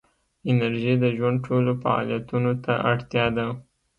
انرژي د ژوند ټولو فعالیتونو ته اړتیا ده.